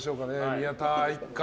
宮田一家。